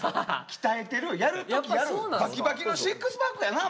鍛えてるやる時やるバキバキのシックスパックやな丸。